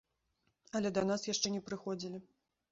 Але да нас яшчэ не прыходзілі.